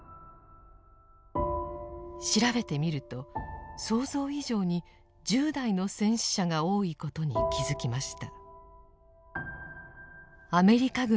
調べてみると想像以上に１０代の戦死者が多いことに気付きました。